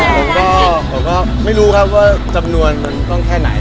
ผมก็ผมก็ไม่รู้ครับว่าจำนวนมันต้องแค่ไหน